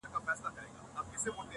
چي د چا پر سر كښېني دوى يې پاچا كي!!